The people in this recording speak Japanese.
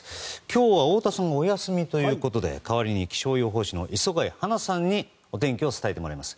今日は太田さんはお休みということで代わりに気象予報士の磯貝初奈さんにお天気を伝えてもらいます。